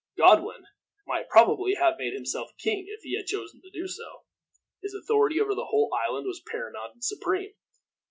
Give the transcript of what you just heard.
Godwin might probably have made himself king if he had chosen to do so. His authority over the whole island was paramount and supreme.